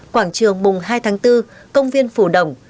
quảng trường mùng hai tháng bốn công viên phủ đồng